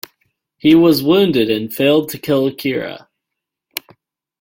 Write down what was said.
He was wounded and failed to kill Kira.